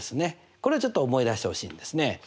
これちょっと思い出してほしいんですね。